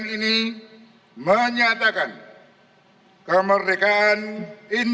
persiapan pembacaan teks proklamasi